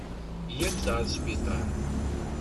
Yya-mt ɣer sbiṭar.